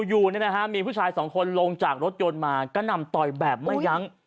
อยู่มีผู้ชายสองคนลงจากรถยนต์มาก็นำต่อยแบบไม่ยั้ง